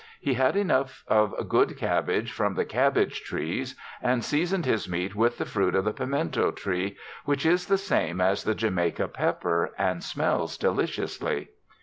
He had enough of good cabbage from the cabbage trees and seasoned his meat with the fruit of the piemento tree, which is the same as the Jamaica pepper and smells deliciously.